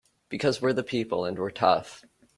Because we're the people and we're tough!